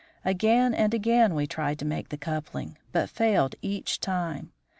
Again and again we tried to make the coupling, but failed each time.